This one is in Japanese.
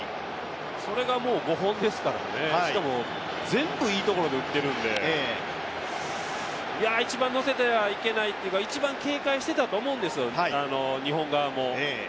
それが５本ですからね、しかも全部いいところで打っているんで、いや、一番のせてはいけないというか、一番警戒してたと思うんですよ、日本側も。